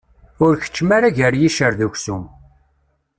Ur keččem ara gar yiccer d uksum.